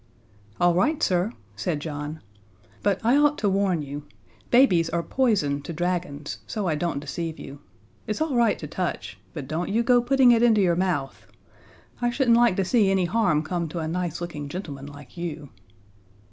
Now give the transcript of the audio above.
"All right, sir," said John, "but I ought to warn you. Babies are poison to dragons, so I don't deceive you. It's all right to touch but don't you go putting it into your mouth. I shouldn't like to see any harm come to a nice looking gentleman like you."